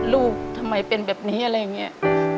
ลูกทำไมเป็นแบบนี้อะไรอย่างนี้